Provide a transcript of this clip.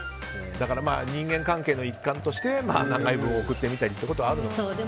だから、人間関係の一環として長い文を送ってみたりということはあるんですね。